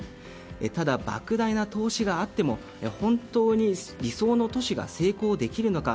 ただ、莫大な投資があっても本当に理想の都市が成功できるのか。